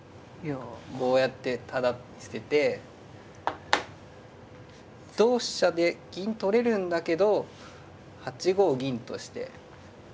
こうやってタダ捨てて同飛車で銀取れるんだけど８五銀として。